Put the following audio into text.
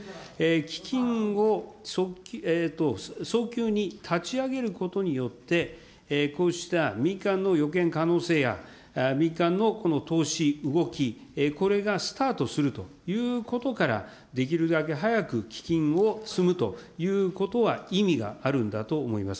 基金を早急に立ち上げることによって、こうした民間の予見可能性や、民間のこの投資、動き、これがスタートするということから、できるだけ早く基金を積むということは意味があるんだと思います。